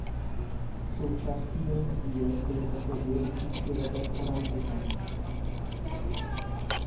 Součástí jeho sbírek byly také dvě desítky lebek orangutanů.